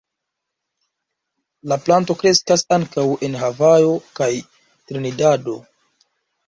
La planto kreskas ankaŭ en Havajo kaj Trinidado.